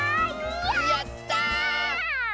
やった！